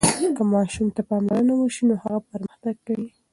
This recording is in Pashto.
که ماشوم ته پاملرنه وسي نو هغه پرمختګ کوي.